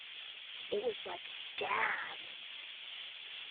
It was like, 'Damn!